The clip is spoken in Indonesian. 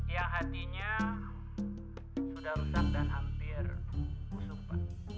yang hatinya sudah rusak dan hampir usupan